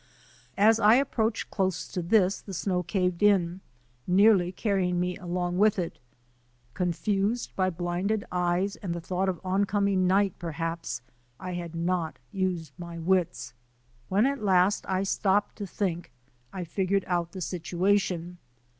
As I approached close to this the snow caved in, nearly carrying me along with it. Confused by blinded eyes and the thought of oncoming night, perhaps, I had not used my wits. When at last I stopped to think I figured out the situation.